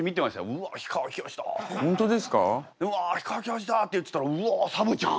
「うわ氷川きよしだ」って言ってたら「うわサブちゃん！」